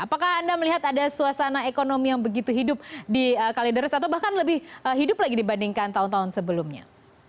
apakah anda melihat ada suasana ekonomi yang begitu hidup di kalideres atau bahkan lebih hidup lagi dibandingkan tahun tahun sebelumnya